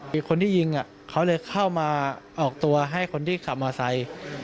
มีคนที่ยิงเขาเลยเข้ามาออกตัวให้คนที่ขับมอไซค์